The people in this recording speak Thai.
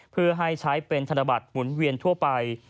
เพื่อให้ใช้เป็นธนบัตรหมุนเวียนทั่วไป